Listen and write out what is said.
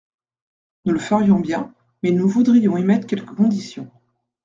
»Nous le ferions bien, mais nous voudrions y mettre quelques conditions.